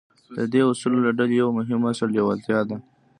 د دې اصولو له ډلې يو مهم اصل لېوالتیا ده.